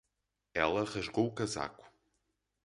Ela rasgou o casaco.